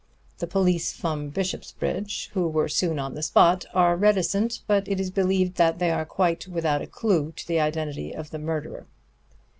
The police from Bishopsbridge, who were soon on the spot, are reticent, but it is believed that they are quite without a clue to the identity of the murderer.